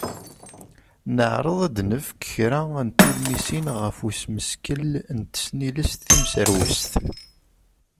Neɛreḍ ad d-nefk kra n tulmisin ɣef usmeskel n tesnilest timserwest.